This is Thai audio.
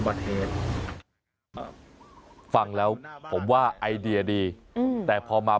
ฟังแล้วผมว่าไอเดียดีอืมแต่พอมา